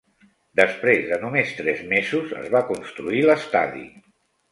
Després de només tres mesos, es va construir l"estadi.